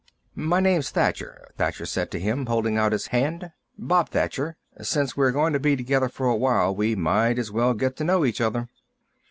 "My name's Thacher," Thacher said to him, holding out his hand. "Bob Thacher. Since we're going to be together for a while we might as well get to know each other."